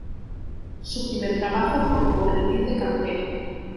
Su primer trabajo fue como aprendiz de cantero.